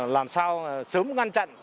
làm sao sớm ngăn chặn